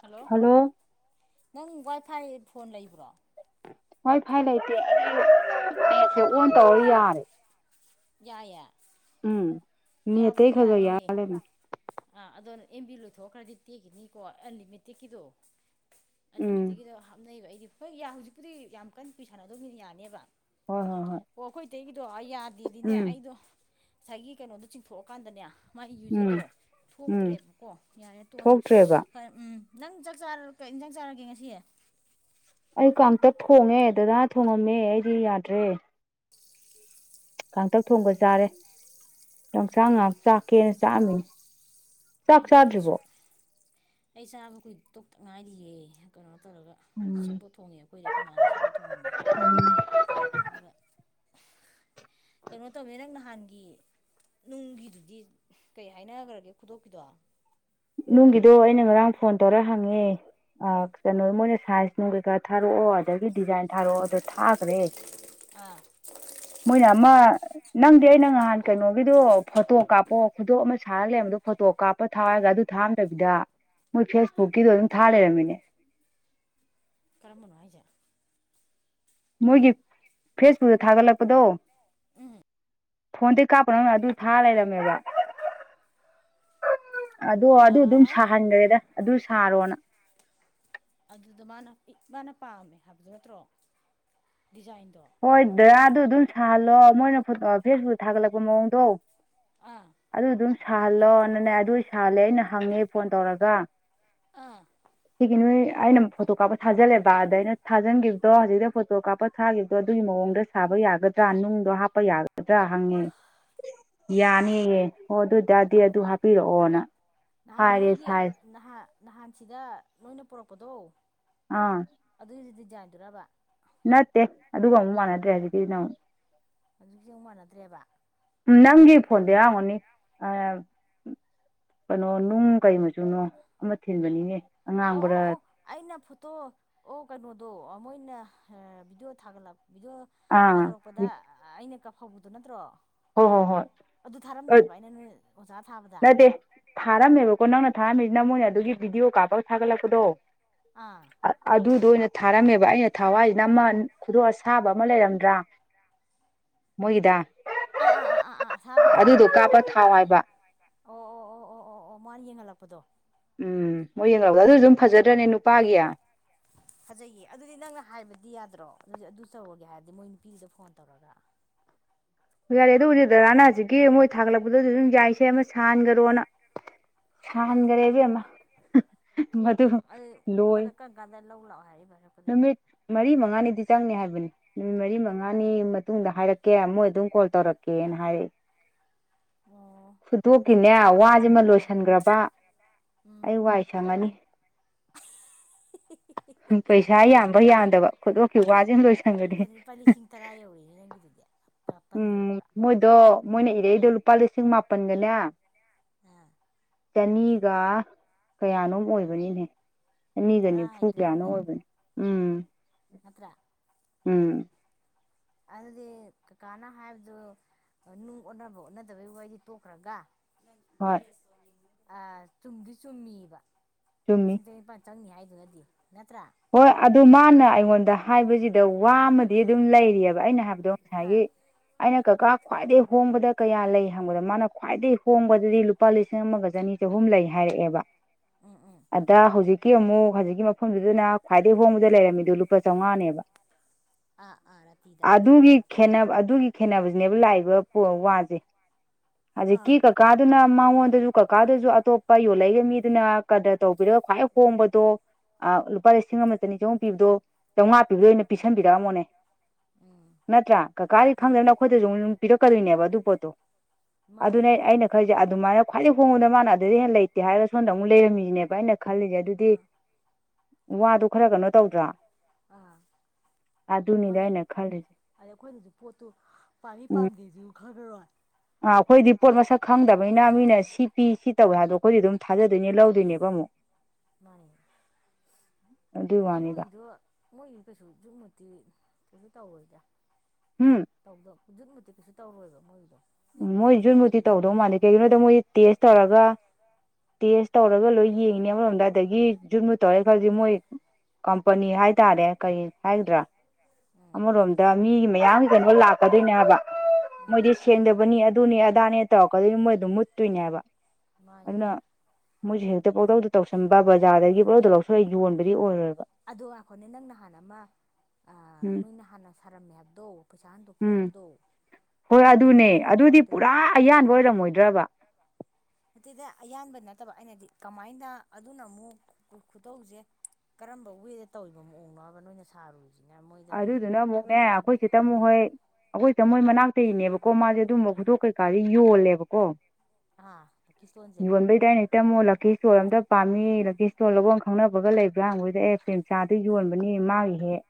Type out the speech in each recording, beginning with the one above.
hello ꯅꯪ wifi phone ꯂꯩꯕ꯭ꯔꯣ wifi ꯂꯩꯇꯦ ꯑꯩꯒꯤ ꯅꯦꯠꯁꯦ ꯑꯣꯟ ꯇꯧꯔ ꯌꯥꯔꯦ ꯌꯥꯏꯌꯦ ꯎꯝ ꯅꯦꯠꯇꯩ ꯌꯥꯕꯨꯗꯤ ꯈꯔ ꯈꯔ ꯌꯥꯅꯤꯌꯦ ꯌꯥꯔ ꯂꯩꯔꯝꯃꯦ ꯑꯥ ꯑꯗꯣ ꯑꯦꯝꯕꯤ ꯂꯣꯏꯊꯣꯛꯈ꯭ꯔꯗꯤ ꯇꯦꯛꯈꯤꯅꯤꯀꯣ ꯑꯜꯂꯤꯃꯤꯇꯦꯛꯀꯤꯗꯣ ꯑꯟ ꯎꯝ ꯂꯤꯃꯤꯠꯇꯒꯤꯗ ꯍꯥꯞꯅꯩꯑꯕ ꯑꯩꯗꯤ ꯍꯣꯏ ꯍꯧꯖꯤꯛꯄꯨꯗꯤ ꯌꯥꯝ ꯀꯟꯅ ꯀꯨꯏ ꯁꯥꯟꯅꯗꯧꯅꯤꯅ ꯌꯥꯅꯦꯕ ꯍꯣꯏ ꯍꯣꯏ ꯍꯣꯏ ꯑꯣ ꯑꯩꯈꯣꯏ ꯏꯇꯩꯒꯤꯗꯣ ꯌꯥꯗꯦꯗꯤꯅꯦ ꯎꯝ ꯑꯩꯗꯣ ꯉꯁꯥꯏꯒꯤ ꯀꯩꯅꯣꯗꯣ ꯆꯤꯡꯊꯣꯛꯑꯀꯥꯟꯗꯅꯦ ꯃꯥꯏ ꯎꯝ ꯌꯨꯖꯗꯣ ꯎꯝ ꯊꯣꯛꯇ꯭ꯔꯦꯕꯀꯣ ꯌꯥꯔꯦ ꯇꯣꯛꯑꯁꯦ ꯊꯣꯛꯇ꯭ꯔꯦꯕ ꯎꯝ ꯅꯪ ꯆꯥꯛ ꯆꯔ ꯀꯩ ꯏꯟꯖꯥꯡ ꯆꯥꯔꯒꯦ ꯉꯁꯤ ꯑꯩ ꯀꯥꯡꯇꯛ ꯊꯣꯡꯉꯦ ꯗꯗꯥꯅ ꯊꯣꯡꯉꯝꯃꯦ ꯑꯩꯗꯤ ꯌꯥꯗ꯭ꯔꯦ ꯀꯥꯡꯇꯛ ꯊꯣꯡꯕ ꯆꯥꯔꯦ ꯂꯡꯆꯥꯛ ꯉꯍꯥꯛ ꯆꯥꯛꯀꯦꯅ ꯆꯥꯛꯑꯝꯃꯤꯅꯦ ꯆꯥꯛ ꯑꯩꯈꯣꯏꯅ ꯆꯥꯗ꯭ꯔꯤꯕꯣ ꯑꯩ ꯆꯥꯕ ꯀꯨꯏ ꯇꯣꯛꯇ ꯉꯥꯏꯔꯤꯌꯦ ꯀꯩꯅꯣ ꯇꯧꯔꯒ ꯎꯝ ꯁꯦꯕꯣꯠ ꯊꯣꯡꯉꯦ ꯑꯩꯈꯣꯏꯗꯤ ꯑꯩꯈꯣꯏ ꯃꯥꯅ ꯁꯦꯕꯣꯠ ꯊꯣꯡꯉꯝꯃꯦ ꯑꯗꯨꯒ ꯀꯩꯅꯣ ꯇꯧꯕꯅꯤ ꯅꯪ ꯅꯍꯥꯟ ꯒꯤ ꯅꯨꯡꯒꯤꯗꯨꯗꯤ ꯀꯩ ꯍꯥꯏꯅꯈ꯭ꯔꯒꯦ ꯈꯨꯗꯣꯞꯀꯤꯗꯣ ꯅꯨꯡꯒꯤꯗꯣ ꯑꯩꯅ ꯉꯔꯥꯡ ꯐꯣꯟ ꯇꯧꯔ ꯍꯪꯉꯦ ꯑ ꯀꯩꯅꯣ ꯃꯣꯏꯅ ꯁꯥꯏꯌꯁ ꯅꯨꯡ ꯀꯩꯀꯥ ꯊꯥꯔꯛꯑꯣ ꯑꯗꯒꯤ ꯗꯤꯖꯥꯏꯟ ꯊꯥꯔꯛꯑꯣ ꯑꯗꯣ ꯊꯥꯒ꯭ꯔꯦ ꯃꯣꯏꯅ ꯑꯃ ꯅꯪꯗꯤ ꯑꯩꯅ ꯉꯍꯥꯟ ꯀꯩꯅꯣꯒꯤꯗꯣ ꯐꯣꯇꯣ ꯀꯥꯞꯄꯣ ꯈꯨꯗꯣꯞ ꯑꯃ ꯁꯥꯔ ꯂꯩꯔꯕꯗꯣ ꯐꯣꯇꯣ ꯀꯥꯞꯄ ꯊꯥꯔꯒ ꯑꯗꯨ ꯊꯥꯔꯝꯗꯕꯤꯗ ꯃꯣꯏ ꯐꯦꯁꯕꯨꯛꯀꯤꯗꯣ ꯑꯗꯨꯝ ꯊꯥ ꯂꯩꯔꯝꯃꯤꯅꯦ ꯀꯔꯝꯕꯅꯣ ꯍꯥꯏꯖꯦ ꯃꯣꯏꯒꯤ ꯐꯦꯁꯕꯨꯛꯇ ꯊꯥꯒꯠꯂꯛꯄꯗꯣ ꯎꯝ ꯐꯣꯟꯗꯩ ꯀꯥꯞꯄ ꯅꯪꯅ ꯑꯗꯨ ꯊꯥꯔ ꯂꯩꯔꯝꯃꯦꯕ ꯑꯗꯣ ꯑꯗꯨ ꯑꯗꯨꯝ ꯑꯥ ꯁꯥꯍꯟꯈ꯭ꯔꯦꯗ ꯑꯗꯨꯝ ꯁꯥꯔꯣꯅ ꯑꯗꯨꯗ ꯃꯥꯅ ꯃꯥꯅ ꯄꯥꯝꯃꯦ ꯍꯥꯏꯕꯗꯨ ꯅꯠꯇ꯭ꯔꯣ ꯗꯤꯖꯥꯏꯟꯗꯣ ꯍꯣꯏ ꯗꯗꯥ ꯀꯔꯝꯕꯅꯣ ꯑꯗꯨ ꯑꯗꯨꯝ ꯁꯥꯍꯜꯂꯣ ꯃꯣꯏꯅ ꯐꯦꯁꯕꯨꯛꯇ ꯊꯥꯒꯠꯂꯛꯄ ꯃꯑꯣꯡꯗꯣ ꯑꯥ ꯑꯗꯨ ꯑꯗꯨꯝ ꯁꯥꯍꯜꯂꯣ ꯅꯅꯦ ꯑꯗꯨ ꯑꯣꯏ ꯁꯥꯍꯜꯂꯦ ꯑꯩꯅ ꯍꯪꯉꯦ ꯐꯣꯟ ꯇꯧꯔꯒ ꯑꯥ ꯁꯤꯒꯤ ꯅꯣꯏ ꯑꯩꯅ ꯐꯣꯇꯣ ꯀꯥꯞꯄ ꯊꯥꯖꯤꯜꯂꯦꯕ ꯑꯗ ꯑꯩꯅ ꯊꯥꯖꯤꯟꯈꯤꯕꯗꯣ ꯍꯧꯖꯤꯛꯇ ꯐꯣꯇꯣ ꯀꯥꯞꯄ ꯊꯥꯈꯤ ꯑꯗꯨꯒꯤ ꯃꯑꯣꯡꯗ ꯁꯥꯕ ꯌꯥꯒꯗ꯭ꯔꯥ ꯅꯨꯡꯗꯣ ꯍꯥꯞꯄ ꯌꯥꯒꯗ꯭ꯔꯥ ꯍꯪꯉꯦ ꯌꯥꯅꯤꯌꯦ ꯑꯣ ꯑꯗꯨ ꯑꯣꯏꯇꯥꯗꯤ ꯑꯗꯨ ꯍꯥꯞꯄꯤꯔꯛꯑꯣꯅ ꯅꯍꯥꯟ ꯍꯥꯏꯔꯦ ꯅꯣꯏꯒꯤ ꯁꯥꯏꯖ ꯅꯍꯥꯟ ꯅꯍꯥꯟꯁꯤꯗ ꯅꯣꯏꯅ ꯄꯨꯔꯛꯄꯗꯣ ꯑꯥ ꯑꯗꯨꯏꯗꯨꯗꯤ ꯗꯤꯖꯥꯏꯟꯗꯨꯔꯕ ꯅꯠꯇꯦ ꯑꯗꯨꯒ ꯑꯃꯨꯛ ꯃꯥꯟꯅꯗ꯭ꯔꯦ ꯍꯧꯖꯤꯛꯀꯤꯁꯤ ꯅ ꯑꯃꯨꯛ ꯍꯧꯖꯤꯛꯁꯦ ꯑꯃꯨꯛ ꯃꯥꯟꯅꯗ꯭ꯔꯦꯕ ꯅꯪꯒꯤ ꯐꯣꯟꯗ ꯌꯥꯎꯔꯝꯒꯅꯤ ꯑꯥ ꯀꯩꯅꯣ ꯅꯨꯡ ꯀꯩ ꯃꯆꯨꯅꯣ ꯑꯃ ꯊꯤꯟꯕꯅꯤꯅꯦ ꯑꯣ ꯑꯣ ꯑꯉꯥꯡꯕꯔꯥ ꯑꯣ ꯑꯩꯅ ꯐꯣꯠꯇꯣ ꯑꯣ ꯀꯩꯅꯣꯗꯣ ꯃꯣꯏꯅ ꯚꯤꯗꯤꯑꯣ ꯊꯥꯒꯠꯂꯛ ꯚꯤꯗꯤꯑꯣ ꯑꯥ ꯊꯥꯗꯣꯔꯛꯄꯗ ꯑꯩꯅ ꯍꯧꯕꯗꯨ ꯅꯠꯇ꯭ꯔꯣ ꯍꯣꯏ ꯍꯣꯏ ꯍꯣꯏ ꯑꯗꯨ ꯊꯥꯔꯝꯗ꯭ꯔꯕ ꯑꯩꯅ ꯅꯣꯏ ꯑꯣꯖꯥ ꯊꯥꯕꯗ ꯅꯠꯇꯦ ꯊꯥꯔꯝꯃꯦꯕꯀꯣ ꯅꯪꯅ ꯊꯥꯔꯝꯃꯤꯁꯤ ꯅ ꯃꯣꯏꯅ ꯑꯗꯨꯒꯤ ꯚꯤꯗꯤꯑꯣ ꯀꯥꯞꯄꯒ ꯊꯥꯒꯠꯂꯛꯄꯗꯣ ꯑꯥ ꯑꯗꯨꯗꯣ ꯑꯣꯏꯅ ꯊꯥꯔꯝꯃꯦꯕ ꯑꯩꯅ ꯊꯥꯎ ꯍꯥꯏꯁꯤ ꯅ ꯑꯃ ꯈꯨꯗꯣꯞ ꯑꯁꯥꯕ ꯑꯃ ꯂꯩꯔꯝꯗ꯭ꯔꯥ ꯃꯣꯏꯒꯤꯗ ꯑꯥ ꯑꯥ ꯑꯥ ꯑꯥ ꯑꯥ ꯑꯊꯥꯕꯗꯣ ꯑꯗꯨꯗꯣ ꯀꯥꯞꯄ ꯊꯥꯎ ꯍꯥꯏꯕ ꯑꯣ ꯑꯣ ꯑꯣ ꯑꯣ ꯑꯣ ꯑꯣ ꯃꯥꯅ ꯌꯦꯡꯍꯜꯂꯛꯄꯗꯣ ꯎꯝ ꯃꯣꯏ ꯌꯦꯡꯂꯛꯒ ꯑꯗꯨ ꯅꯨꯄꯤꯗꯨꯅ ꯑꯗꯨꯝ ꯐꯖꯗ꯭ꯔꯅꯦ ꯅꯨꯄꯥꯒꯤ ꯐꯖꯩꯌꯦ ꯑꯗꯨꯗꯤ ꯅꯪꯅ ꯍꯥꯏꯕꯗꯤ ꯌꯥꯗ꯭ꯔꯣ ꯑꯗꯨꯗꯤ ꯑꯗꯨ ꯇꯧꯔꯒꯦ ꯍꯥꯏꯔꯗꯤ ꯃꯣꯏ ꯅꯨꯄꯤꯗꯨꯗ ꯐꯣꯟ ꯇꯧꯔꯒ ꯌꯥꯔꯦ ꯑꯗꯨꯕꯨꯗꯤ ꯗꯗꯥ ꯅ ꯍꯧꯖꯤꯛꯀꯤ ꯃꯣꯏ ꯊꯥꯒꯠꯂꯛꯄꯗꯁꯨ ꯑꯗꯨꯝ ꯌꯥꯏꯁꯦ ꯑꯃ ꯁꯥꯥꯍꯟꯒꯔꯣꯅ ꯁꯥꯍꯟꯒꯔꯦ ꯑꯣ ꯏꯕꯦꯝꯃ ꯃꯗꯨ ꯂꯣꯏ ꯑꯗꯨ ꯀꯔꯝ ꯀꯥꯟꯗ ꯂꯧ ꯂꯥꯛꯑꯣ ꯍꯥꯏꯔꯛꯏꯕ ꯍꯥꯏꯔꯛꯄꯗꯤ ꯅꯨꯃꯤꯠ ꯃꯔꯤ ꯃꯉꯥꯅꯤꯗꯤ ꯆꯪꯅꯤ ꯍꯥꯏ ꯅꯨꯃꯤꯠ ꯃꯔꯤ ꯃꯉꯥꯅꯤ ꯃꯇꯨꯡꯗ ꯍꯥꯏꯔꯛꯀꯦ ꯃꯣꯏ ꯑꯗꯨꯝ ꯀꯣꯜ ꯇꯧꯔꯛꯀꯦꯅ ꯍꯥꯏꯔꯛꯏ ꯑꯣ ꯈꯨꯗꯣꯞꯀꯤꯅꯦ ꯋꯥꯁꯤꯃ ꯑꯥ ꯂꯣꯏꯁꯤꯟꯈ꯭ꯔꯕ ꯎꯝ ꯑꯩ ꯋꯥꯏ ꯁꯪꯉꯅꯤ [inaudible] ꯄꯩꯁꯥ ꯌꯥꯝꯕ ꯌꯥꯝꯗꯕ ꯈꯨꯗꯣꯀꯤ ꯋꯥꯁꯤꯃ ꯂꯣꯏꯁꯟꯈ꯭ꯔꯗꯤ ꯑꯦ ꯂꯨꯄꯥ [unintelligible] ꯃꯥꯄꯟ ꯎꯝ ꯌꯧꯕ꯭ꯔꯥ ꯃꯣꯏꯗꯣ ꯃꯣꯏꯅ ꯏꯔꯛ ꯂꯨꯄꯥ ꯂꯤꯁꯤꯡ ꯃꯥꯄꯟꯒꯅꯦ ꯑꯥ ꯆꯅꯤꯒ ꯀꯌꯥꯅꯣꯃ ꯑꯣꯏꯕꯅꯤꯅꯦ ꯆꯅꯤꯒ ꯇꯔꯥ ꯅꯤꯐꯨ ꯀꯌꯥꯅꯣ ꯍꯥꯏꯗꯨꯅꯤꯅꯦ ꯑꯣꯏꯕꯅꯤ ꯎꯝ ꯅꯠꯇ꯭ꯔꯥ ꯎꯝ ꯑꯗꯨꯗꯤ ꯀꯀꯥꯅ ꯍꯥꯏꯕꯗꯣ ꯅꯨꯡ ꯑꯣꯟꯅꯕ ꯑꯣꯟꯅꯗꯕꯩ ꯋꯥꯔꯤꯗꯤ ꯇꯣꯛꯈ꯭ꯔꯒ ꯍꯣꯏ ꯑꯥ ꯆꯨꯝꯗꯤ ꯆꯨꯝꯃꯤꯕ ꯆꯨꯝꯃꯤ ꯂꯤꯁꯤꯡ ꯇꯔꯦꯠꯅꯤꯄꯥꯟ ꯆꯪꯅꯤ ꯍꯥꯏꯗꯨꯅꯗꯤ ꯅꯠꯇ꯭ꯔꯥ ꯍꯣꯏ ꯑꯗꯨ ꯃꯥꯅ ꯑꯩꯉꯣꯟꯗ ꯍꯥꯏꯕꯖꯤꯗ ꯋꯥꯃꯗꯤ ꯑꯗꯨꯝ ꯂꯩꯔꯤꯑꯦꯕ ꯑꯩꯅ ꯍꯥꯏꯕ ꯑꯥ ꯉꯁꯥꯏꯒꯤ ꯑꯩꯅ ꯀꯀꯥ ꯈ꯭ꯋꯥꯏꯗꯩ ꯍꯣꯡꯕꯗ ꯀꯌꯥ ꯂꯩ ꯍꯪꯕꯗ ꯃꯥꯅ ꯈ꯭ꯋꯥꯏꯗꯩ ꯍꯣꯡꯕꯗꯗꯤ ꯂꯨꯄꯥ ꯂꯤꯁꯤꯡ ꯑꯃꯒ ꯆꯅꯤ ꯆꯍꯨꯝ ꯂꯩ ꯍꯥꯏꯔꯛꯑꯦꯕ ꯎꯝ ꯎꯝ ꯑꯥꯗ ꯍꯧꯖꯤꯛꯀꯤ ꯑꯃꯨꯛ ꯍꯧꯖꯤꯛꯀꯤ ꯃꯐꯝꯗꯨꯗꯅ ꯈ꯭ꯋꯥꯏꯗꯩ ꯍꯣꯡꯕꯗ ꯂꯩꯔꯝꯃꯤꯗꯣ ꯂꯨꯄꯥ ꯆꯥꯎꯉꯥꯅꯦꯕ ꯑꯥ ꯑꯥ ꯔꯥꯇꯤꯗ ꯑꯥꯗꯨꯒꯤ ꯈꯦꯅꯕ ꯑꯗꯨꯒꯤ ꯈꯦꯅꯕꯖꯤꯅꯦꯕ ꯂꯥꯛꯏꯕ ꯄꯣ ꯋꯥꯖꯦ ꯑꯥ ꯍꯧꯖꯤꯛꯀꯤ ꯀꯀꯥꯗꯨꯅ ꯃꯉꯣꯟꯗꯖꯨ ꯀꯀꯥꯗꯖꯨ ꯑꯇꯣꯞ ꯄꯥ ꯌꯣꯜꯂꯛꯏꯕ ꯃꯤꯗꯨꯅ ꯀꯗ꯭ꯔ ꯇꯧꯕꯤꯔ ꯈ꯭ꯋꯥꯏ ꯍꯣꯡꯕꯗꯣ ꯑꯥ ꯂꯨꯄꯥ ꯂꯤ ꯂꯤꯁꯤꯡ ꯑꯃ ꯆꯅꯤ ꯆꯍꯨꯝ ꯄꯤꯕꯗꯣ ꯆꯥꯎꯉꯥ ꯄꯤꯕꯗꯣ ꯑꯣꯏꯅ ꯄꯤꯁꯟꯕꯤ ꯄꯤꯔꯛꯑꯝꯃꯣꯅꯦ ꯎꯝ ꯅꯠꯇ꯭ꯔꯥ ꯀꯀꯥꯗꯤ ꯃꯥꯅꯦ ꯈꯪꯗꯕꯅꯤꯅ ꯑꯈꯣꯏꯗꯖꯨ ꯃꯨꯛ ꯄꯤꯔꯛꯀꯗꯣꯏꯅꯦꯕ ꯑꯗꯨ ꯄꯣꯠꯇꯣ [inaudible] ꯑꯗꯨꯅꯦ ꯃꯥꯅꯤꯅꯦ ꯑꯩ ꯑꯩꯅ ꯈꯜꯂꯤꯖꯦ ꯑꯗꯨꯃꯥꯏꯅ ꯈ꯭ꯋꯥꯏꯗꯩ ꯍꯣꯡꯕꯗꯣ ꯃꯥꯅ ꯑꯗꯨꯗꯩ ꯍꯦꯟꯅ ꯂꯩꯇꯦ ꯍꯥꯏꯔꯒ ꯁꯣꯝꯗ ꯑꯃꯨꯛ ꯂꯩꯔꯝꯃꯤꯁꯤꯅꯦꯕ ꯑꯩꯅ ꯈꯜꯂꯤꯖꯦ ꯑꯗꯨꯗꯤ ꯑꯥ ꯋꯥꯗꯣ ꯈꯔ ꯀꯅꯣ ꯇꯧꯗ꯭ꯔꯥ ꯑꯗꯨꯅꯤꯗ ꯃꯥꯟꯅꯦ ꯑꯩꯅ ꯈꯜꯂꯤꯁꯦ ꯑꯗ ꯑꯈꯣꯏꯅꯖꯨ ꯄꯣꯠꯇꯨ ꯄꯥꯝꯃꯤ ꯄꯥꯝꯗꯦꯖꯨ [unintelligible] ꯑꯥ ꯑꯈꯣꯏꯗꯤ ꯄꯣꯠ ꯃꯁꯛ ꯈꯪꯗꯕꯅꯤꯅ ꯃꯤꯅ ꯁꯤ ꯄꯤ ꯁꯤ ꯇꯧꯋꯦ ꯍꯥꯏꯗꯣ ꯑꯈꯣꯏꯗꯤ ꯑꯗꯨꯝ ꯊꯥꯖꯗꯣꯏꯅꯦ ꯂꯧꯗꯣꯏꯅꯦꯕ ꯃꯨꯛ ꯃꯨꯛ ꯃꯥꯟꯅꯤ ꯑꯗꯨꯒꯤ ꯋꯥꯅꯤꯗ ꯃꯣꯏꯒꯤꯗꯣ ꯃꯣꯏꯒꯤ ꯀꯩꯁꯨ ꯖꯨꯠ ꯃꯨꯠꯇꯤ ꯀꯩꯁꯨ ꯇꯧꯔꯣꯏꯗꯥ ꯎꯝ ꯇꯧꯗ ꯖꯨꯠ ꯃꯨꯠ ꯇꯤꯀꯩꯁꯨ ꯇꯧꯔꯣꯏꯕ ꯃꯣꯏꯒꯤꯗꯣ ꯎꯝ ꯃꯣꯏ ꯁꯤꯛꯁꯇꯤ ꯖꯨꯠ ꯃꯨꯠꯇꯤ ꯁꯤꯛꯁꯇꯤꯒꯤꯗꯣ ꯇꯧꯗꯧ ꯃꯥꯟꯗꯦ ꯀꯩꯒꯤꯅꯣꯗꯤ ꯃꯣꯏ ꯇꯦꯁ ꯇꯧꯔꯒ ꯇꯦꯁ ꯇꯧꯔꯒ ꯂꯣꯏ ꯌꯦꯡꯉꯤꯅꯤ ꯑꯃꯔꯣꯝꯗ ꯑꯗꯒꯤ ꯖꯨꯨꯠ ꯃꯨꯠ ꯇꯧꯔꯦ ꯈꯜꯖꯤ ꯃꯣꯏ ꯀꯝꯄꯅꯤ ꯍꯥꯏꯇꯥꯔꯦ ꯀꯔꯤ ꯍꯥꯏꯒꯗ꯭ꯔꯥ ꯎꯝ ꯑꯃꯔꯣꯝꯗ ꯃꯤꯒꯤ ꯃꯌꯥꯝꯒꯤ ꯀꯅꯣ ꯂꯥꯛꯀꯗꯣꯏꯅꯦ ꯍꯥꯏꯕ ꯎꯝ ꯃꯣꯏꯗꯩ ꯁꯦꯡꯗꯕꯅꯤ ꯑꯗꯨꯅꯤ ꯑꯗꯥꯅꯤ ꯇꯧꯔꯛꯀꯗꯣꯏꯅꯤ ꯃꯣꯏ ꯑꯗꯨꯝ ꯃꯨꯠꯇꯣꯏꯅꯦ ꯍꯥꯏꯕ ꯃꯥꯅꯤꯅꯦ ꯑꯗꯨꯅ ꯃꯣꯏꯁꯦ ꯍꯦꯛꯇ ꯄꯛꯇꯧꯗ ꯇꯧꯁꯟ ꯑꯗꯒꯤ ꯄꯛꯂꯧꯗ ꯂꯧꯁꯤꯜꯂ ꯌꯣꯟꯕ ꯑꯗꯣ ꯉꯥꯈꯣꯅꯦ ꯅꯪ ꯅꯍꯥꯟ ꯑꯃ ꯑꯥ ꯎꯝ ꯅꯣꯏꯅ ꯍꯥꯟꯅ ꯁꯥꯔꯝꯃꯦ ꯍꯥꯏꯕꯗꯣ ꯄꯩꯁꯥ ꯍꯟꯗꯣꯛꯀꯤ ꯎꯝ ꯍꯥꯏꯕꯗꯣ ꯍꯣꯏ ꯑꯗꯨ ꯑꯗꯨꯅꯦ ꯑꯗꯨꯗꯤ ꯄꯨꯔꯥ ꯑꯌꯥꯟꯕ ꯑꯣꯏꯔꯝꯃꯣꯏꯗ꯭ꯔꯕ ꯅꯠꯇꯦꯗ ꯑꯌꯥꯟꯕ ꯅꯠꯇꯕ ꯑꯩꯅ ꯍꯥꯏꯗꯤ ꯀꯃꯥꯏꯅ ꯑꯗꯨꯅ ꯑꯃꯨꯛ ꯈꯨꯇꯧꯖꯦ ꯀꯔꯝꯕ ꯋꯦꯗ ꯇꯧꯔꯤꯕ ꯃꯑꯣꯡꯅꯣ ꯍꯥꯏꯕ ꯅꯣꯏꯅ ꯁꯥꯔꯨ ꯑꯗꯨꯗꯨꯅ ꯑꯃꯨꯛꯅꯦ ꯑꯈꯣꯏ ꯆꯦ ꯇꯃꯨ ꯎꯝ ꯍꯣꯏ ꯑꯈꯣꯏ ꯆꯦ ꯇꯃꯨ ꯍꯣꯏ ꯃꯅꯥꯛ ꯇꯩꯅꯦꯕꯀꯣ ꯃꯥꯖꯦ ꯑꯗꯨꯝꯕ ꯈꯨꯗꯣꯞ ꯀꯩꯀꯥꯖꯦ ꯌꯣꯜꯂꯦꯕꯀꯣ ꯑꯥ ꯂꯛꯀꯤ ꯏꯁꯇꯣꯟꯁꯦ ꯌꯣꯟꯕꯩꯗ ꯗꯥꯏꯅꯇ ꯃꯣꯜꯂ ꯂꯛꯀꯤ ꯁ꯭ꯇꯣꯟ ꯑꯝꯇ ꯄꯥꯝꯃꯤ ꯂꯛꯀꯤ ꯁ꯭ꯇꯣꯟ ꯂꯧꯕꯝ ꯈꯪꯅꯕꯒ ꯂꯩꯕ꯭ꯔꯥ ꯍꯪꯕꯗꯨꯗ ꯑꯦ ꯄ꯭ꯔꯦꯝꯆꯥꯟꯗ ꯌꯣꯟꯕꯅꯤ ꯃꯥꯒꯤ ꯍꯦ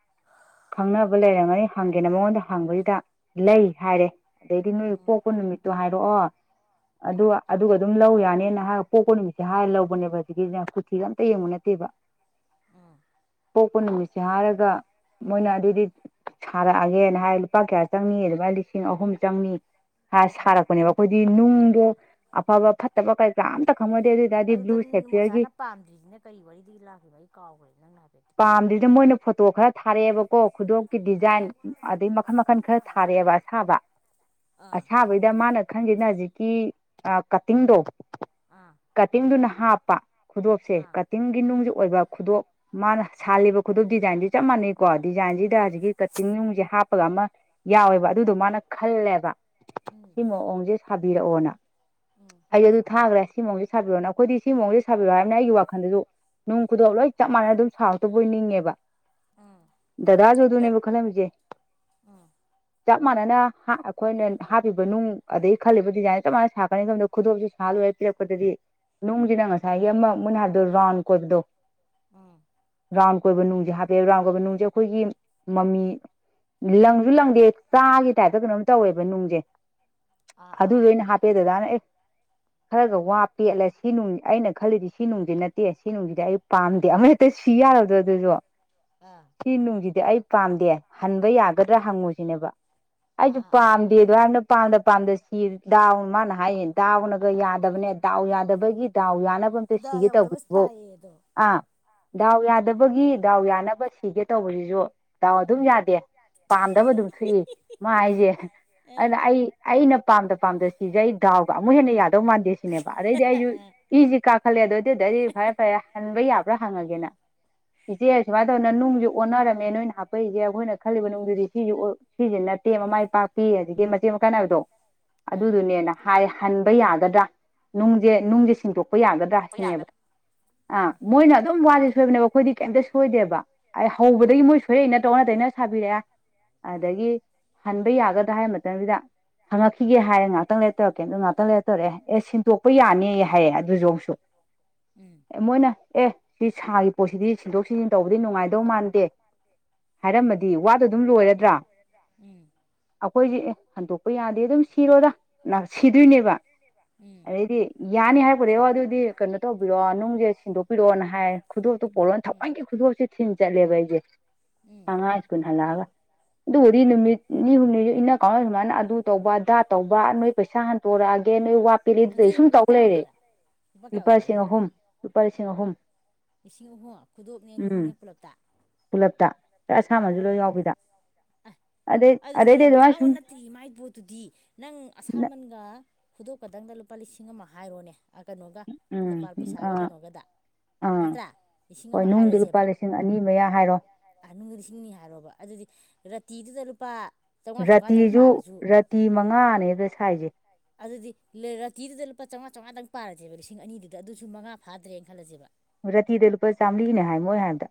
ꯈꯪꯅꯕ ꯂꯩꯔꯝꯒꯅꯤ ꯍꯪꯒꯦꯅ ꯃꯉꯣꯟꯗ ꯍꯪꯕꯖꯤꯗ ꯂꯩ ꯍꯥꯏꯔꯦ ꯑꯗꯩꯗꯤ ꯅꯣꯏ ꯎꯝ ꯄꯣꯛꯄ ꯅꯨꯃꯤꯠꯇꯣ ꯍꯥꯏꯔꯛꯑꯣ ꯑꯗꯨꯒ ꯑꯗꯨꯒ ꯑꯗꯨꯝ ꯂꯧ ꯌꯥꯅꯤꯅ ꯍꯥꯏꯔ ꯄꯣꯛꯄ ꯅꯨꯃꯤꯠꯁꯦ ꯍꯥꯏꯔ ꯂꯧꯕꯅꯦꯕ ꯍꯧꯖꯤꯛꯀꯤꯖꯤꯅ ꯀꯨꯊꯤꯒ ꯑꯝꯇ ꯌꯦꯡꯕ ꯅꯠꯇꯦ ꯎꯝ ꯄꯣꯛꯄ ꯅꯨꯃꯤꯠꯁꯦ ꯍꯥꯏꯔꯒ ꯃꯣꯏꯅ ꯑꯗꯨꯗꯤ ꯁꯥꯔꯛꯑꯒꯦꯅ ꯍꯥꯏ ꯂꯨꯄꯥ ꯀꯌꯥ ꯆꯪꯅꯤ ꯑꯗꯨꯃꯥꯏꯅ ꯂꯤꯁꯤꯡ ꯑꯍꯨꯝ ꯆꯪꯅꯤ ꯁꯥꯏꯔ ꯎꯝ ꯁꯥꯔꯛꯄꯅꯦꯕ ꯑꯩꯈꯣꯏꯗꯤ ꯅꯨꯡꯗꯣ ꯑꯐꯕ ꯐꯠꯇꯕ ꯀꯔꯤ ꯀꯔꯥ ꯑꯝꯇ ꯈꯪꯉꯗꯦ ꯑꯗꯨ ꯑꯣꯏꯇꯥꯔꯗꯤ ꯕ꯭ꯂꯨ ꯑꯗꯨꯗ ꯁꯦꯐꯤ꯭ꯌꯔꯒꯤ ꯃꯣꯆꯥꯅ ꯄꯥꯝꯗ꯭ꯔꯤꯁꯤꯅ ꯀꯔꯤ ꯋꯥꯔꯤꯗꯒꯤ ꯂꯥꯛꯈꯤꯕꯅꯣ ꯑꯩ ꯀꯥꯎꯈ꯭ꯔꯦ ꯅꯪꯅ ꯍꯥꯏꯐꯦꯠꯇ ꯄꯟꯈꯤꯕ ꯄꯥꯝꯗꯨꯗ ꯃꯣꯏꯅ ꯐꯣꯇꯣ ꯈꯔ ꯊꯥꯔꯛꯑꯦꯕꯀꯣ ꯈꯨꯗꯣꯞꯀꯤ ꯑꯥ ꯗꯤꯖꯥꯏꯟ ꯑꯗꯩ ꯃꯈꯜ ꯃꯈꯜ ꯈꯔ ꯊꯥꯔꯛꯑꯦꯕ ꯑꯁꯥꯕ ꯑꯥ ꯑꯁꯥꯕꯩꯗ ꯃꯥꯅ ꯈꯪꯒ꯭ꯔꯤꯖꯤꯅ ꯍꯧꯖꯤꯛꯀꯤ ꯑꯥ ꯀꯠꯇꯤꯡꯗꯣ ꯑꯥ ꯀꯠꯇꯤꯡꯗꯨꯅ ꯍꯥꯞꯄ ꯈꯨꯗꯣꯞꯁꯦ ꯑꯥ ꯀꯇꯤꯡꯒꯤ ꯑꯥ ꯅꯨꯡꯁ ꯑꯣꯏꯕ ꯈꯨꯗꯣꯞ ꯃꯥꯅ ꯁꯥꯍꯜꯂꯤꯕ ꯈꯨꯗꯣꯞ ꯗꯤꯖꯥꯏꯟꯗꯤ ꯆꯞ ꯃꯥꯟꯅꯩ ꯀꯣ ꯗꯤꯖꯥꯏꯟꯁꯤꯗ ꯑꯥ ꯍꯧꯖꯤꯛꯀꯤ ꯀꯠꯇꯤꯡ ꯅꯨꯡꯁꯦ ꯍꯥꯞꯄꯒ ꯑꯃ ꯌꯥꯎꯋꯦꯕ ꯑꯗꯨꯗꯣ ꯃꯥꯅ ꯈꯜꯂꯦꯕ ꯎꯝ ꯁꯤ ꯃꯑꯣꯡꯁꯦ ꯁꯥꯕꯤꯔꯛꯑꯣꯅ ꯎꯝ ꯑꯩ ꯑꯗꯨ ꯊꯥꯈ꯭ꯔꯦ ꯁꯤ ꯃꯑꯣꯡꯁꯦ ꯁꯥꯕꯤꯔꯣꯅ ꯑꯈꯣꯏꯗꯤ ꯁꯤ ꯃꯑꯣꯡꯁꯦ ꯁꯥꯕꯤꯔꯣ ꯍꯥꯏꯕꯅꯤꯅ ꯑꯩꯒꯤ ꯋꯥꯈꯟꯗꯁꯨ ꯅꯨꯡ ꯈꯨꯗꯣꯞ ꯂꯣꯏ ꯆꯞ ꯃꯥꯟꯅꯅ ꯑꯗꯨꯝ ꯁꯥꯎꯔꯛꯇꯕꯣꯏ ꯅꯤꯡꯉꯦꯕ ꯎꯝ ꯗꯗꯥꯁꯨ ꯑꯗꯨꯅꯦꯕ ꯈꯜꯂꯝꯃꯤꯖꯦ ꯎꯝ ꯆꯞ ꯃꯥꯟꯅꯅ ꯍꯥ ꯑꯩꯈꯣꯏꯅ ꯍꯥꯞꯄꯤꯕ ꯅꯨꯡ ꯑꯗꯒꯤ ꯈꯜꯂꯤꯕ ꯗꯤꯖꯥꯏꯟ ꯆꯞ ꯃꯥꯟꯅ ꯁꯥꯔꯛꯀꯅꯤ ꯈꯨꯗꯣꯞꯁꯨ ꯁꯥ ꯂꯣꯏ ꯄꯤꯔꯛꯄꯗꯗꯤ ꯅꯨꯡꯖꯤꯅ ꯉꯁꯥꯏꯒꯤ ꯑꯃ ꯃꯣꯏꯅ ꯍꯥꯏꯕꯗꯣ ꯔꯥꯎꯟ ꯀꯣꯏꯕꯗꯣ ꯎꯝ ꯔꯥꯎꯟ ꯀꯣꯏꯕ ꯅꯨꯡꯖꯦ ꯍꯥꯞꯄꯦ ꯔꯥꯎꯟ ꯀꯣꯏꯕ ꯅꯨꯡꯖꯦ ꯑꯩꯈꯣꯏꯒꯤ ꯃꯝꯃꯤ ꯂꯪꯖꯨ ꯂꯪꯗꯦ ꯆꯥꯒꯤ ꯇꯥꯏꯞꯇ ꯀꯩꯅꯣꯝ ꯇꯧꯋꯦꯕ ꯅꯨꯡꯖꯦ ꯑꯥ ꯑꯥ ꯑꯗꯨꯗꯣ ꯑꯥ ꯑꯩꯅ ꯍꯥꯞꯄꯦ ꯗꯗꯥꯅ ꯑꯦ ꯈꯔꯒ ꯋꯥ ꯄꯦꯠꯂꯦ ꯁꯤ ꯅꯨꯡ ꯑꯩꯅ ꯈꯜꯂꯤꯗꯤ ꯁꯤ ꯅꯨꯡꯗꯤ ꯅꯠꯇꯦ ꯁꯤ ꯅꯨꯡꯁꯤꯗꯤ ꯑꯩ ꯄꯥꯝꯗꯦ ꯑꯃ ꯍꯦꯛꯇ ꯁꯤ ꯌꯥꯔꯗꯣ ꯑꯗꯨꯁꯨ ꯑꯥ ꯁꯤ ꯅꯨꯡꯁꯤꯗꯤ ꯑꯩ ꯄꯥꯝꯗꯦ ꯍꯟꯕ ꯌꯥꯒꯗ꯭ꯔꯥ ꯍꯪꯉꯨ ꯁꯤꯅꯦꯕ ꯑꯥ ꯑꯩꯁꯨ ꯑꯥ ꯑꯥ ꯄꯥꯝꯗꯦ ꯑꯗꯨ ꯍꯥꯏꯅ ꯄꯥꯝꯗ ꯄꯥꯝꯗ ꯁꯤ ꯗꯥꯎ ꯃꯥꯅ ꯍꯥꯏꯌꯦ ꯗꯥꯎꯅꯒ ꯑꯥ ꯎꯝ ꯌꯥꯗꯕꯅꯦ ꯗꯥꯎ ꯌꯥꯗꯕꯒꯤ ꯗꯥꯎ ꯌꯥꯅꯕ ꯑꯝꯇ ꯗ ꯁꯤꯒꯦ ꯌꯧꯗꯕ ꯇꯧꯕꯗꯨꯕꯨ ꯇꯥꯏꯌꯦ ꯑꯗꯣ ꯑꯥ ꯍꯣꯏ ꯗꯥꯎ ꯌꯥ ꯗꯕꯒꯤ ꯗꯥꯎ ꯌꯥꯅꯕ ꯁꯤꯒꯦ ꯇꯧꯕꯖꯤꯖꯨ ꯗꯥꯎ ꯑꯗꯨꯝ ꯌꯥꯗꯦ ꯄꯥꯝꯗꯕ ꯑꯗꯨꯝ ꯊꯣꯛꯏ ꯃꯥ ꯍꯥꯏꯖꯦ ꯑꯥ ꯑꯗꯨꯅ ꯑꯩ ꯑꯩꯅ ꯄꯥꯝꯗ ꯄꯥꯝꯗ ꯁꯤꯁꯦ ꯑꯩ ꯗꯥꯥꯎꯒ ꯑꯃꯨꯛ ꯍꯦꯟꯅ ꯌꯥꯗꯧ ꯃꯥꯟꯗꯦ ꯁꯤꯅꯦꯕ ꯑꯗꯩꯗꯤ ꯑꯩꯁꯨ ꯑꯥ ꯏꯁꯤ ꯀꯥꯈꯠꯂꯦ ꯑꯗꯨꯏ ꯑꯗꯨꯗꯗꯤ ꯐꯔꯦ ꯐꯔꯦ ꯍꯟꯕ ꯌꯥꯕ꯭ꯔꯥ ꯍꯪꯉꯒꯦꯅ ꯏꯆꯦ ꯁꯨꯃꯥꯏꯅ ꯇꯧꯗꯅ ꯅꯨꯡꯖꯦ ꯑꯣꯟꯅꯔꯝꯃꯦ ꯅꯣꯏꯅ ꯍꯥꯞꯄꯛꯏꯁꯦ ꯑꯩꯈꯣꯏꯅ ꯈꯜꯂꯤꯕ ꯅꯨꯡꯗꯨꯗꯤ ꯁꯤꯁꯦ ꯑꯣꯏ ꯁꯤꯁꯦ ꯅꯠꯇꯦ ꯃꯃꯥꯏ ꯄꯥꯛꯄꯤ ꯍꯧꯖꯤꯛꯀꯤ ꯃꯆꯦꯠ ꯃꯀꯥꯏ ꯅꯥꯏꯕꯤꯗꯣ ꯑꯥ ꯑꯗꯨꯗꯨꯅꯦꯅ ꯍꯥꯏ ꯍꯟ ꯄꯥ ꯌꯥꯒꯗ꯭ꯔꯥ ꯅꯨꯡꯖꯦ ꯅꯨꯡꯖꯦ ꯁꯤꯟꯗꯣꯛ ꯄꯥ ꯌꯥꯒꯗ꯭ꯔꯥ ꯁꯤꯅꯦꯕ ꯑꯥ ꯃꯣꯏꯅ ꯑꯗꯨꯝ ꯋꯥꯖꯦ ꯁꯣꯏꯕꯅꯦꯕ ꯑꯩꯈꯣꯏꯗꯤ ꯀꯩꯝꯇ ꯁꯣꯏꯗꯦꯕ ꯑꯩ ꯍꯧꯕꯗꯒꯤ ꯎꯝ ꯃꯣꯏ ꯁꯣꯏꯔꯛꯏ ꯅꯠ ꯑꯣꯟꯅ ꯇꯩꯅ ꯁꯥꯕꯤꯔꯛꯑꯦ ꯎꯝ ꯑꯗꯒꯤ ꯍꯟꯕ ꯌꯥꯒꯗ꯭ꯔꯥ ꯍꯥꯏ ꯃꯇꯝꯁꯤꯗ ꯍꯪꯉꯛꯈꯤꯒꯦ ꯍꯥꯏꯔꯦ ꯉꯍꯥꯛꯇꯪ ꯂꯩ ꯇꯧꯔꯛꯀꯦ ꯑꯗꯨꯝ ꯉꯥꯛꯇꯪ ꯂꯩꯔ ꯇꯧꯔꯛꯑꯦ ꯑꯦ ꯁꯤꯟꯇꯣꯛꯄ ꯌꯥꯅꯤꯌꯦ ꯍꯥꯏꯔꯦ ꯑꯗꯨꯖꯁꯨ ꯑꯃꯨꯛꯁꯨ ꯎꯝ ꯑꯦ ꯃꯣꯏꯅ ꯑꯦ ꯁꯤ ꯁꯥꯔꯤ ꯄꯣꯠꯁꯤꯗꯤ ꯁꯤꯟꯗꯣꯛ ꯁꯤꯅ ꯇꯧꯕꯗꯤ ꯅꯨꯡꯉꯥꯏꯗꯧ ꯃꯥꯟꯗꯦ ꯍꯥꯏꯔꯝꯃꯗꯤ ꯋꯥꯗꯣ ꯑꯗꯨꯝ ꯂꯣꯏꯔꯗ꯭ꯔꯥ ꯎꯝ ꯑꯩꯈꯣꯏꯁꯦ ꯑꯦ ꯍꯟꯗꯣꯛꯄ ꯌꯥꯗꯦ ꯑꯗꯨꯝ ꯁꯤꯔꯣꯗ ꯅ ꯁꯤꯗꯣꯏꯅꯦꯕ ꯎꯝ ꯑꯗꯩꯗꯤ ꯌꯥꯅꯤ ꯍꯥꯏꯔꯛꯄꯗꯩ ꯑꯣ ꯑꯗꯨꯗꯤ ꯀꯩꯅꯣ ꯇꯧꯕꯤꯔꯛꯑꯣ ꯅꯨꯡꯁꯦ ꯁꯤꯟꯗꯣꯛꯄꯤꯔꯛꯑꯣꯅ ꯍꯥꯏ ꯈꯨꯗꯣꯞꯇꯣ ꯄꯣꯔꯛꯑꯣꯅ ꯎꯝ ꯊꯧꯋꯥꯏꯟꯒꯤ ꯈꯨꯗꯣꯞꯁꯦ ꯊꯤꯟ ꯆꯠꯂꯦꯕ ꯑꯩꯁꯦ ꯎꯝ ꯑꯉꯥꯡ ꯁ꯭ꯀꯨꯜ ꯍꯜꯂꯛꯑꯒ ꯑꯗꯨꯕꯨꯗꯤ ꯅꯨꯃꯤꯠ ꯅꯤꯅꯤ ꯍꯨꯝꯅꯤ ꯏꯟꯅ ꯀꯥꯎꯅꯗꯅ ꯁꯨꯃꯥꯏꯅ ꯑꯗꯨ ꯇꯧꯕ ꯑꯗꯥ ꯇꯧꯕ ꯅꯣꯏ ꯄꯩꯁꯥ ꯍꯟꯇꯣꯔꯛꯑꯒꯦ ꯅꯣꯏ ꯋꯥ ꯄꯦꯠꯂꯤ ꯑꯗꯨ ꯇꯧꯋꯤ ꯁꯨꯝ ꯂꯨꯄꯥ ꯇꯧ ꯀꯌꯥ ꯂꯩꯔꯦ ꯑꯣꯏꯔꯤꯕ ꯀꯌꯥ ꯂꯨꯄꯥ ꯑꯣꯏꯔꯤꯕ ꯂꯤꯁꯤꯡ ꯑꯗꯨꯅ ꯑꯍꯨꯝ ꯂꯨꯄꯥ ꯂꯤꯁꯤꯡ ꯑꯍꯨꯝ ꯈꯨꯗꯣꯛꯞꯅꯦ ꯅꯨꯡꯅꯦ ꯎꯝ ꯄꯨꯂꯞꯇ ꯄꯨꯂꯞꯇ ꯑꯁꯥꯃꯟꯁꯨ ꯂꯣꯏ ꯌꯥꯎꯕꯤꯗ ꯑꯥꯏ ꯑꯗꯩ ꯑꯗꯨꯗꯤ ꯑꯗꯩꯗꯤ ꯌꯥꯝ ꯑꯗꯨꯃꯥꯏꯅ ꯇꯥꯡꯕ ꯁꯨꯝ ꯅꯠꯇꯦ ꯃꯥꯏ ꯄꯣꯠꯇꯨꯗꯤ ꯅꯪ ꯑꯁꯥꯃꯟꯒ ꯈꯨꯗꯣꯞ ꯈꯇꯪꯗ ꯂꯨꯄꯥ ꯂꯤꯁꯤꯡ ꯑꯃ ꯍꯥꯏꯔꯣꯅꯦ ꯑꯥ ꯀꯩꯅꯣꯒ ꯎꯝ ꯅꯦꯄꯥꯜ ꯄꯩꯁꯥꯒ ꯑꯥ ꯀꯩꯅꯣꯒꯗ ꯑꯥ ꯅꯠꯇ꯭ꯔꯥ ꯂꯤꯁꯤꯡ ꯍꯣꯏ ꯑꯃ ꯅꯨꯡꯗꯨ ꯍꯥꯏꯔꯁꯦꯕ ꯂꯨꯄꯥ ꯂꯤꯁꯤꯡ ꯑꯅꯤ ꯃꯌꯥ ꯍꯥꯏꯔꯣ ꯅꯨꯡꯒꯤ ꯂꯤꯁꯤꯡꯅꯤ ꯍꯥꯏꯔꯣꯕ ꯑꯗꯨꯗꯤ ꯔꯇꯤꯗꯨꯗ ꯂꯨꯄꯥ ꯆꯥꯝꯃꯉꯥ ꯆꯥꯝꯃꯉꯥꯗꯪ ꯔꯇꯤꯖꯨ ꯄꯥꯔꯁꯨ ꯔꯇꯤ ꯃꯉꯥꯅꯦ ꯑꯗꯨꯗ ꯁꯥꯏꯖꯦ ꯑꯗꯨꯗꯤ ꯔꯇꯤꯗꯨꯗ ꯂꯨꯄꯥꯥ ꯆꯧꯉꯥ ꯆꯧꯉꯥꯗꯪ ꯄꯥꯔꯁꯦꯕ ꯂꯤꯁꯤꯡ ꯑꯅꯤꯗꯨꯗ ꯑꯗꯨꯁꯨ ꯃꯉꯥ ꯐꯥꯗ꯭ꯔꯦꯅ ꯈꯜꯂꯁꯦꯕ ꯔꯥꯇꯤꯗ ꯂꯨꯄꯥ ꯆꯥꯝꯃꯔꯤꯅꯦ ꯍꯥꯏ ꯃꯣꯏ ꯍꯥꯏꯕꯗ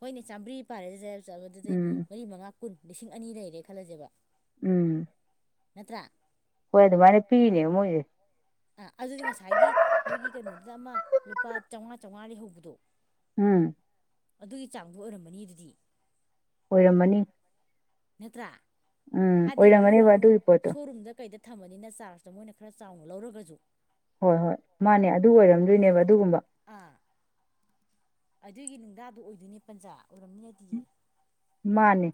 ꯍꯣꯏꯅꯦ ꯆꯥꯝꯕꯔꯤ ꯄꯥꯔꯦꯁꯤ [unintelligible] ꯆꯠꯗꯨꯗꯤ ꯎꯝ ꯃꯔꯤ ꯃꯉꯥ ꯀꯨꯟ ꯂꯤꯁꯤꯡ ꯑꯅꯤ ꯂꯩꯔꯦ ꯈꯜꯂꯁꯦꯕ ꯎꯝ ꯅꯠꯇ꯭ꯔ ꯍꯣꯏ ꯑꯗꯨꯃꯥꯏꯅ ꯄꯤꯔꯤꯅꯦ ꯃꯣꯏ ꯑꯥ ꯑꯗꯨꯗꯤ ꯉꯁꯥꯏꯒꯤ ꯃꯣꯏꯒꯤ ꯀꯩꯅꯣꯗꯨꯗ ꯑꯃ ꯂꯨꯄꯥ ꯆꯧꯉꯥ ꯆꯧꯉꯥ ꯂꯩꯍꯧꯕꯗꯣ ꯎꯝ ꯑꯗꯨꯒꯤ ꯆꯥꯡꯗꯣ ꯑꯣꯏꯔꯝꯃꯅꯤ ꯑꯗꯨꯗꯤ ꯑꯣꯏꯔꯝꯃꯅꯤ ꯅꯠꯇ꯭ꯔ ꯎꯝ ꯑꯣꯏꯔꯝꯒꯅꯦꯕ ꯑꯗꯨꯒꯤ ꯄꯣꯠꯇꯣ ꯁꯣꯔꯨꯝꯗ ꯀꯩꯗ ꯊꯝꯃꯅꯤꯅ ꯆꯥꯔꯖꯇꯣ ꯃꯣꯏꯅ ꯈꯔ ꯆꯥꯎꯅ ꯂꯧꯔꯒꯁꯨ ꯍꯣꯏ ꯍꯣꯏ ꯃꯥꯅꯦ ꯑꯗꯨ ꯑꯣꯏꯔꯝꯗꯣꯏꯅꯦꯕ ꯑꯗꯨꯒꯨꯝꯕ ꯑꯥ ꯑꯗꯨꯒꯤ ꯅꯨꯡꯗꯥꯗꯨ ꯑꯣꯏꯗꯣꯏꯅꯦ ꯄꯟꯖꯥ ꯑꯣꯏꯔꯝꯅꯤ ꯅꯠꯇꯤꯌꯦ ꯃꯥꯅꯦ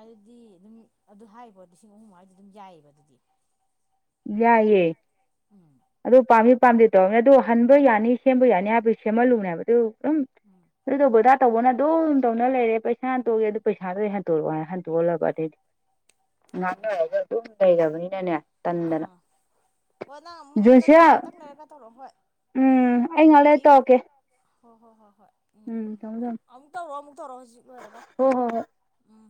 ꯑꯗꯨꯗꯤ ꯑꯗꯨꯝ ꯑꯗꯨ ꯍꯥꯏꯕꯣ ꯂꯤꯁꯤꯡ ꯑꯍꯨꯝ ꯑꯗꯨꯏꯗꯤ ꯑꯗꯨꯝ ꯌꯥꯏꯌꯦꯕ ꯑꯗꯨꯗꯤ ꯌꯥꯏꯌꯦ ꯎꯝ ꯑꯗꯨ ꯄꯥꯝꯃꯤ ꯄꯥꯝꯗꯦ ꯇꯧꯔꯝꯅꯤꯅ ꯑꯗꯨ ꯍꯟꯕ ꯌꯥꯅꯤ ꯁꯦꯝꯕ ꯌꯥꯅꯤ ꯍꯥꯏꯕꯩ ꯁꯦꯝꯍꯜꯂꯨꯅꯦꯕ ꯑꯗꯨ ꯎꯝ ꯑꯗꯨ ꯇꯧꯕ ꯑꯗꯥ ꯇꯧꯕꯅ ꯗꯨꯝ ꯇꯧꯅ ꯂꯩꯔꯦ ꯄꯩꯁꯥ ꯍꯟꯇꯣꯛꯑꯒꯦ ꯑꯗꯨ ꯄꯩꯁꯥꯗꯨ ꯑꯣꯏ ꯍꯟꯇꯣꯔꯛꯑꯣ ꯍꯟꯇꯣꯛꯍꯜꯂꯕ ꯑꯗꯩꯗꯤ ꯉꯥꯡꯅꯔꯒ ꯑꯣ ꯑꯗꯨꯝ ꯂꯩꯔꯕꯅꯤꯅꯅꯦ ꯇꯟꯗꯅ ꯑꯥ ꯍꯣꯏ ꯅꯪ ꯑꯃꯨꯛ ꯑꯝꯇ ꯖꯣꯟꯁꯤꯌꯥ ꯉꯥꯏꯍꯥꯛꯇꯪ ꯂꯩꯔꯒ ꯇꯧꯔꯛꯑꯣ ꯍꯣꯏ ꯎꯝ ꯑꯩ ꯉꯩꯍꯥꯛ ꯂꯩꯔ ꯇꯧꯔꯛꯀꯦ ꯍꯣ ꯍꯣ ꯍꯣ ꯍꯣꯏ ꯎꯝ ꯎꯝ ꯊꯝꯃꯣ ꯑꯃꯨ ꯊꯝꯃꯣ ꯑꯃꯨꯛ ꯇꯧꯔꯣ ꯑꯃꯨꯛ ꯇꯧꯔꯣ ꯍꯧꯖꯤꯛ ꯂꯣꯏꯔꯒ ꯍꯣ ꯍꯣ ꯍꯣꯏ ꯎꯝ